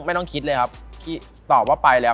ไม่ต้องคิดเลยครับตอบว่าไปแล้ว